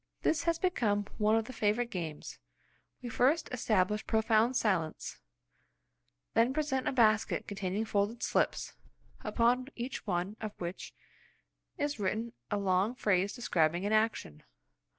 This has become one of the favourite games: We first establish profound silence, then present a basket containing folded slips, upon each one of which is written a long phrase describing an action.